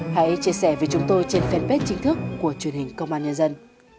hãy chia sẻ với chúng tôi trên fanpage chính thức của truyền hình công an nhân dân